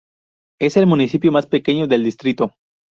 Es el municipio más pequeño del distrito.